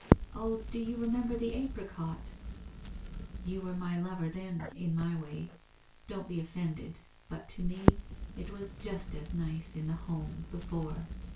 Oh, and do you remember the apricot ? You were my lover then, in my way. Don't be offended, but to me, it was just as nice, in the Home, before